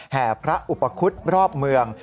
แห่พระอุปคุฎรอบเมือง